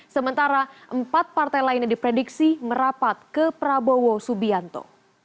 sementara empat partai lainnya diprediksi merapat ke prabowo subianto